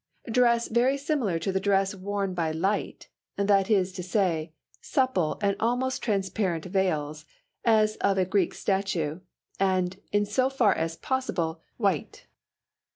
Dress very similar to the dress worn by Light, that is to say, supple and almost transparent veils, as of a Greek statue, and, in so far as possible, white.